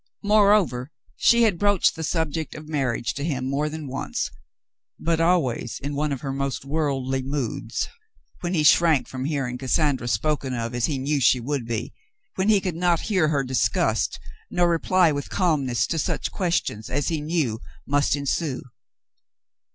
Moreover, she had broached the subject of marriage to him more than once, but always in one of her most worldly moods, when he shrank from hearing Cassandra spoken of as he knew she would be — when he could not hear her discussed, nor reply with calmness to such questions as he knew must ensue.